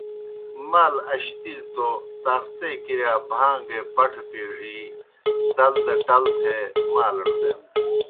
مال اشتِلیْ توْ طاقتے کِرِیا بھان٘گے پٹھہ پیڙِی دل دہ ٹل تھے مالڑ دینَن۔